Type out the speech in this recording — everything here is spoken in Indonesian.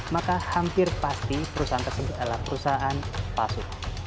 maka hampir pasti perusahaan tersebut adalah perusahaan palsu